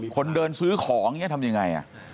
คนเดินซื้อของอย่างนี้ทำยังไง